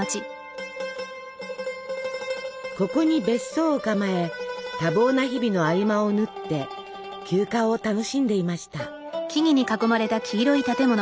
ここに別荘を構え多忙な日々の合間を縫って休暇を楽しんでいました。